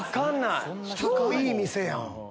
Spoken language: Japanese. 超いい店やん。